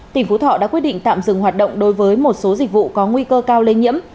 tỉnh phú thọ đã quyết định tạm dừng hoạt động đối với một số dịch vụ có nguy cơ cao lây nhiễm